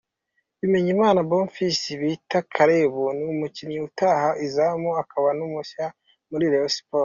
Bimenyimana Bonfils bita Caleb ni umukinnyi utaha izamu akaba mushya muri Rayon Sports.